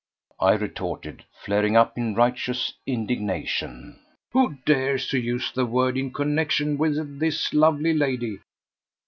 I retorted, flaring up in righteous indignation. "Who dares to use the word in connexion with this lovely lady?